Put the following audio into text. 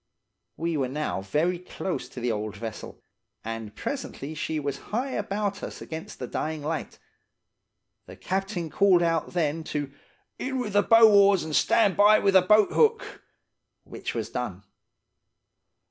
"We were now very close to the old vessel, and presently she was high about us against the dying light. The captain called out then to 'in with the bow oars and stand by with the boat hook,' which was done.